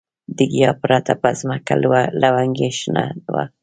د ګیاه پرته په ځمکه لونګۍ شنه وه.